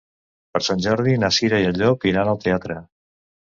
Per Sant Jordi na Cira i en Llop iran al teatre.